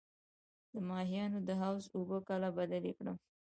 د ماهیانو د حوض اوبه کله بدلې کړم؟